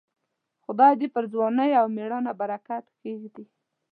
خدای دې پر ځوانۍ او مړانه برکت کښېږدي.